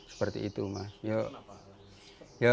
seperti itu mas